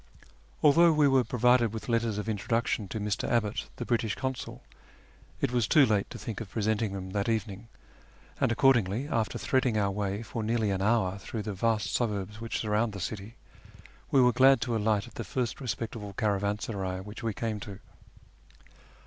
Although we were provided with letters of introduction to Mr. Abbott, the British Consul, it was too late to think of presenting them that evening, and accordingly, after threading our way for nearly an hour through the vast suburbs which surround the city, we were glad to alight at the first respectable caravansaray which we came to.